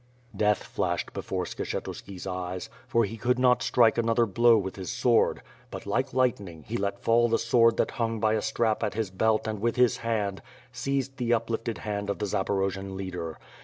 Death flashed before Skshetuski's eyes, for he could not strike another blow with his sword; but like lightning, he let fall the sword that hung by a strap to his belt and with his hand seized the uplifted hand of the Zaporojian leader.